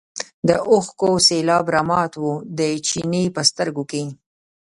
د اوښکو سېلاب رامات و د چیني په سترګو کې.